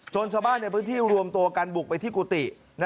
ชาวบ้านในพื้นที่รวมตัวกันบุกไปที่กุฏิ